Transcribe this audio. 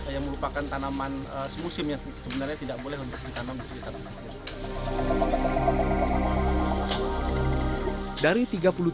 yang merupakan tanaman semusim yang sebenarnya tidak boleh untuk ditanam di sekitar pasir